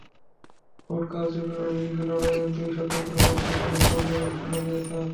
Vote কারচুপির অভিযোগে নড়াইলের দুই স্বতন্ত্র প্রার্থী ভোট বর্জনের ঘোষণা দিয়েছেন।